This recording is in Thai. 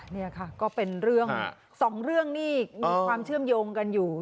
นี่ค่ะก็เป็นเรื่องสองเรื่องนี่มีความเชื่อมโยงกันอยู่